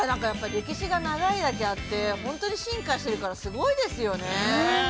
◆やっぱ歴史が長いだけあって、本当に進化してるからすごいですよね。